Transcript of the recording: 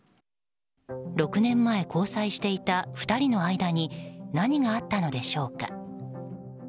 ６年前交際していた２人の間に何があったのでしょうか。